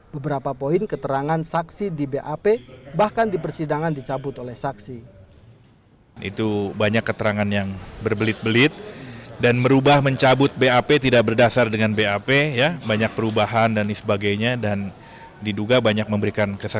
beberapa poin keterangan saksi di bap bahkan di persidangan dicabut oleh saksi